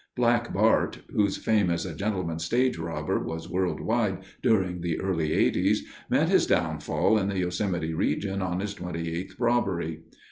"Black Bart," whose fame as a gentleman stage robber was world wide during the early 'eighties, met his downfall in the Yosemite region on his twenty eighth robbery.